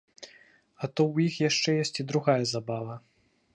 А то ў іх яшчэ ёсць і другая забава.